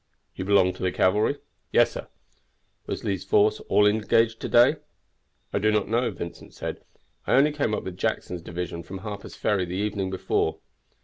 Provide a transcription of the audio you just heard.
"You belong to the cavalry?" "Yes, sir." "Was Lee's force all engaged yesterday?" "I do not know," Vincent said. "I only came up with Jackson's division from Harper's Ferry the evening before."